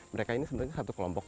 mereka ini sebenarnya satu kelompok